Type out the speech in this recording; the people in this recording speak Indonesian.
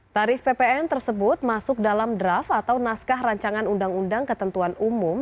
tarif ppn tersebut masuk dalam draft atau naskah rancangan undang undang ketentuan umum